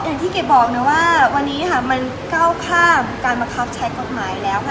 อย่างที่เกดบอกนะว่าวันนี้ค่ะมันก้าวข้ามการบังคับใช้กฎหมายแล้วค่ะ